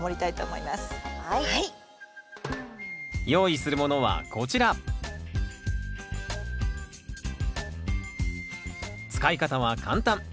用意するものはこちら使い方は簡単。